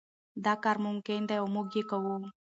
دا کار ممکن دی او موږ یې کوو.